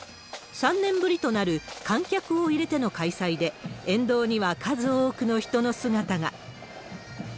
３年ぶりとなる観客を入れての開催で、沿道には数多くの人の姿が。